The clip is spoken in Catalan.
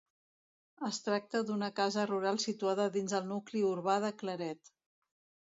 Es tracta d'una casa rural situada dins el nucli urbà de Claret.